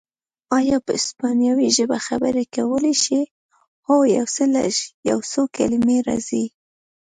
ایا په اسپانوي ژبه خبرې کولای شې؟ هو، یو څه لږ، یو څو کلمې راځي.